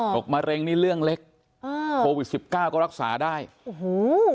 มะเร็งนี่เรื่องเล็กอ่าโควิดสิบเก้าก็รักษาได้โอ้โห